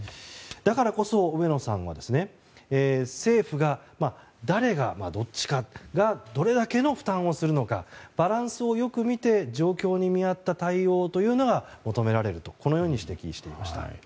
だからこそ、上野さんは政府が、誰が、どっちかがどれだけの負担をするのかバランスをよく見て状況に見合った対応が求められると指摘していました。